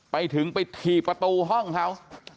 ไปถึงไปถี่ประตูห้องเขา